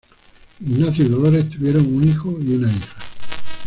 Ignacio y Dolores tuvieron un hijo y una hija.